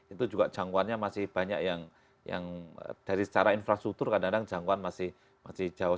itu juga jangkauannya masih banyak yang dari secara infrastruktur kadang kadang jangkauan masih jauh